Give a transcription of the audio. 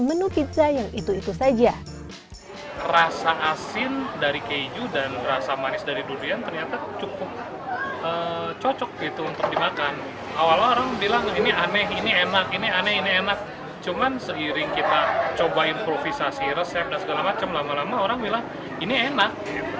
cuman seiring kita coba improvisasi resep dan segala macam lama lama orang bilang ini enak